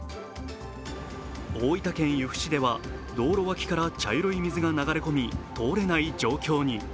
大分県由布市では、道路脇から茶色い水が流れ込み通れない状況に。